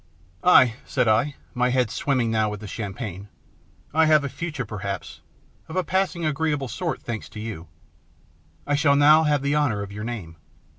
" Ay," said I, my head swimming now with champagne ;" I have a future perhaps of a pass ing agreeable sort, thanks to you. I shall now have the honour of your name.